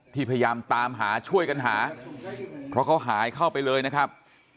พยายามตามหาช่วยกันหาเพราะเขาหายเข้าไปเลยนะครับ